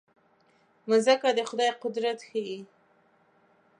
مځکه د خدای قدرت ښيي.